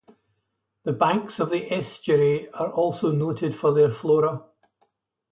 The banks of the estuary are also noted for their flora.